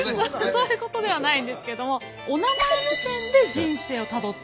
そういうことではないんですけどもおなまえ目線で人生をたどっていく。